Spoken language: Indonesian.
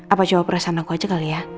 apa jawab perasaan aku aja kali ya